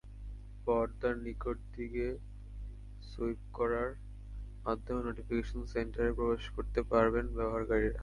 পর্দার নিচের দিকে সুইপ করার মাধ্যমে নোটিফিকেশন সেন্টারে প্রবেশ করতে পারবেন ব্যবহারকারীরা।